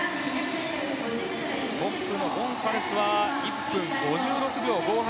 トップのゴンサレスは１分５６秒５８。